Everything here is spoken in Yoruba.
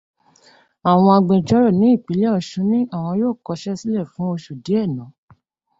Àwọn agbẹjórò ní ìpínlẹ̀ ọ̀ṣun ní àwọn yóó kọṣẹ́ sílẹ̀ fún oṣù díẹ̀ ná.